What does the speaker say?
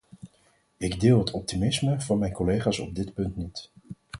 Ik deel het optimisme van mijn collega's op dit punt niet.